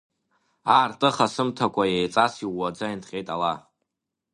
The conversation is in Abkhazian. Аартыха сымҭакәа иеиҵас иууаӡа инҭҟьеит ала.